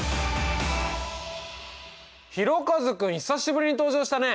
ひろかず君久しぶりに登場したね。